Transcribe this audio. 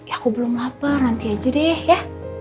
aku belum lapar nanti aja deh ya